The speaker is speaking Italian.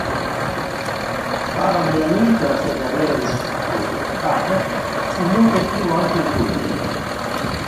Parallelamente alla sua carriera di scrittore, Barrès fu molto attivo anche in politica.